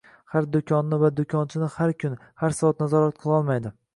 Har do'konni va do'konchini har kun, har soat nazorat qilolmaydi.